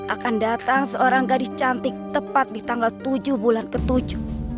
akan datang seorang gadis cantik tepat di tanggal tujuh bulan ketujuh